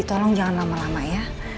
tolong jangan lama lama ya